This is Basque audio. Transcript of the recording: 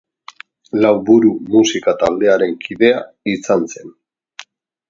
Lauburu musika taldearen kidea izan zen.